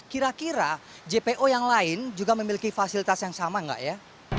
kira kira jpo yang lain juga memiliki fasilitas yang sama nggak ya